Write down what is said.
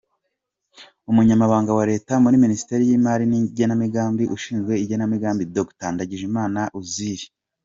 Umunyamabanga wa Leta muri Minisiteri y’Imari n’Igenamigambi ushinzwe igenamigambi: Dr Ndagijimana Uzziel.